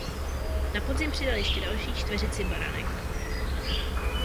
Na podzim přidal ještě další čtveřici branek.